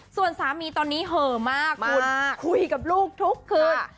ส่วนสามีตอนนี้เหอะมากคุณคุยกับลูกทุกคืน